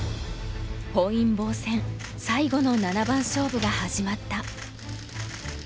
本因坊戦最後の七番勝負が始まった。